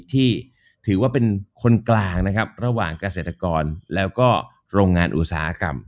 ที่ถือว่าเป็นคนกลางนะครับระหว่างเกษตรกรแล้วก็โรงงานอุตสาหกรรม